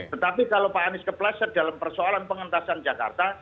tetapi kalau pak anies kepleset dalam persoalan pengentasan jakarta